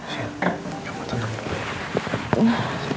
sini kamu tenang dulu ya